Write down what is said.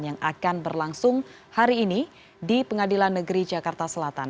yang akan berlangsung hari ini di pengadilan negeri jakarta selatan